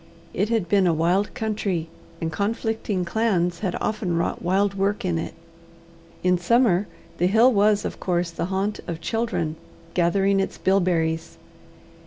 It had been a wild country, and conflicting clans had often wrought wild work in it. In summer the hill was of course the haunt of children gathering its bilberries.